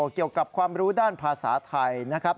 เกี่ยวกับความรู้ด้านภาษาไทยนะครับ